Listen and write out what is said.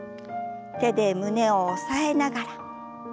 手で胸を押さえながら。